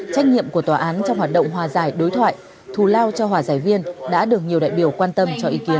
trách nhiệm của tòa án trong hoạt động hòa giải đối thoại thù lao cho hòa giải viên đã được nhiều đại biểu quan tâm cho ý kiến